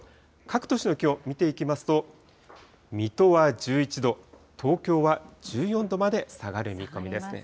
各都市の気温見ていきますと、水戸は１１度、東京は１４度まで下がる見込みですね。